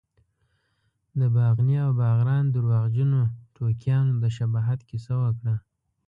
د باغني او باغران درواغجنو ټوکیانو د شباهت کیسه وکړه.